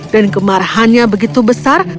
dan kemarahannya begitu besar